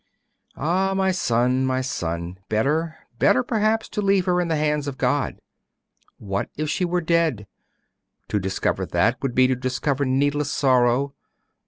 'Ah, my son, my son! Better, better, perhaps, to leave her in the hands of God! What if she were dead? To discover that, would be to discover needless sorrow.